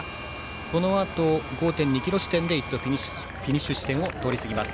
このあと５．２ｋｍ地点で一度、フィニッシュ地点を通り過ぎます。